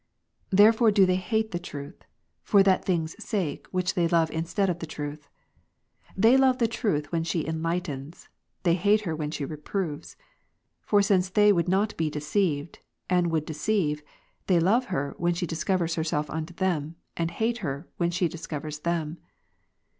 Therefore do they }>ate the truth, for that thing's sake, which they love instead of the truth. They love truth when she enlightens, they hate her when shereproves. Forsincethey wouldnotbe deceived, and would deceive, they love her, when she discovers herself unto them, and hate her, when she discovers them.